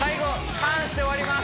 ターンして終わります